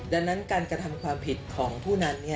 ดังนั้นการกระทำความผิดของผู้นั้น